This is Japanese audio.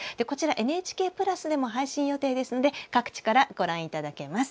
「ＮＨＫプラス」でも配信予定ですので各地からご覧いただけます。